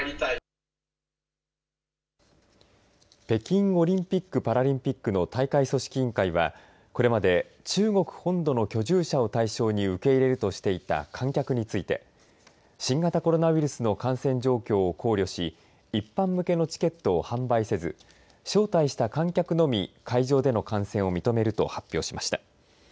北京オリンピックパラリンピックの大会組織委員会はこれまで中国本土の居住者を対象に受け入れるとしていた観客について新型コロナウイルスの感染状況を考慮し一般向けのチケットを販売せず招待した観客のみ会場での観戦を認めると発表しました。